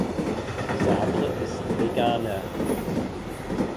Sabre ist Veganer.